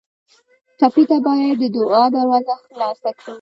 ټپي ته باید د دعا دروازه خلاصه کړو.